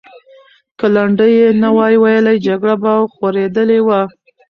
که لنډۍ یې نه وای ویلې، جګړه به خورېدلې وه.